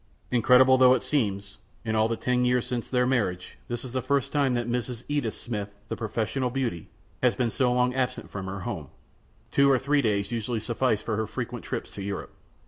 Incredible though it seems, in all the ten years since their marriage, this is the first time that Mrs. Edith Smith, the professional beauty, has been so long absent from home; two or three days usually suffice for her frequent trips to Europe.